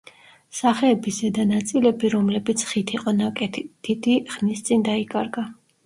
სახეების ზედა ნაწილები, რომლებიც ხით იყო ნაკეთი, დიდი ხნის წინ დაიკარგა.